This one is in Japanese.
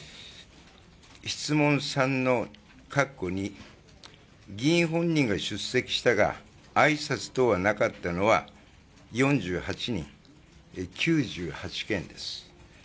質問３の、議員本人が出席したが挨拶等はなかったのは４８人、９８件です。